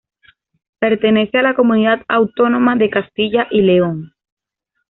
Pertenece a la comunidad autónoma de Castilla y León.